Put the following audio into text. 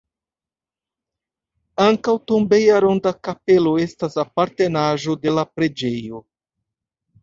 Ankaŭ tombeja ronda kapelo estas apartenaĵo de la preĝejo.